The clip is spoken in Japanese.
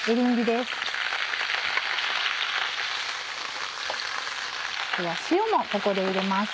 では塩もここで入れます。